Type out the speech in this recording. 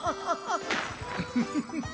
ウフフフ。